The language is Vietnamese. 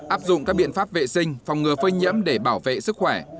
áp dụng các biện pháp vệ sinh phòng ngừa phơi nhiễm để bảo vệ sức khỏe